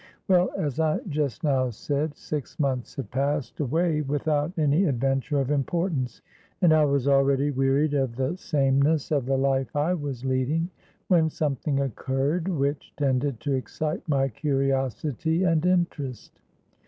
Well, as I just now said, six months had passed away without any adventure of importance, and I was already wearied of the sameness of the life I was leading, when something occurred which tended to excite my curiosity and interest.